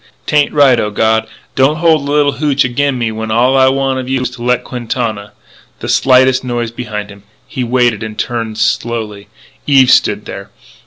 'Tain't right.... O God, don't hold a little hootch agin me when all I want of you is to let Quintana " The slightest noise behind him. He waited, turned slowly. Eve stood there.